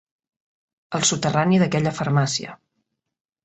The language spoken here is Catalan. Al soterrani d'aquella farmàcia.